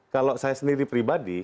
kalau saya sendiri pribadi